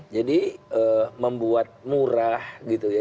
jadi membuat murah gitu ya